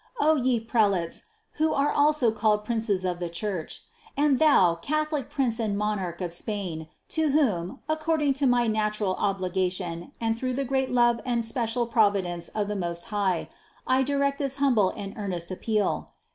O ye prelates, who are also called princes of the Church! And thou, Catholic prince and monarch of Spain, to whom, according to my natural obligation and 246 CITY OF GOD through the great love and special providence of the Most High, I direct this humble and earnest appeal!